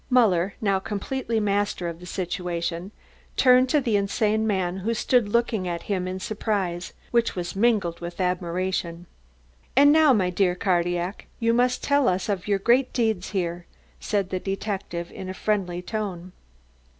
Muller, now completely master of the situation, turned to the insane man who stood looking at him in a surprise which was mingled with admiration. "And now, my dear Cardillac, you must tell us of your great deeds here," said the detective in a friendly tone.